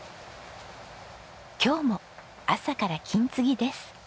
今日も朝から金継ぎです。